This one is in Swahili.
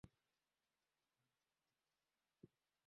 Napenda roho yake